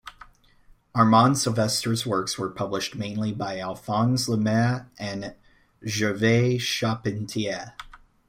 Armand Silvestre's works were published mainly by Alphonse Lemerre and Gervais Charpentier.